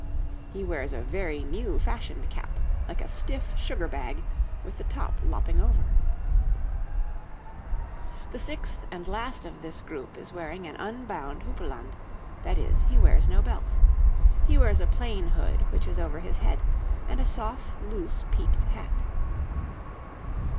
He wears a very new fashioned cap like a stiff sugar bag, with the top lopping over. [Illustration: {A man of the time of Henry IV.}] The sixth and last of this group is wearing an unbound houppelande that is, he wears no belt. He wears a plain hood which is over his head, and a soft, loose, peaked hat.